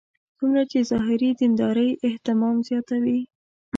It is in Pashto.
څومره چې ظاهري دیندارۍ اهتمام زیاتوي.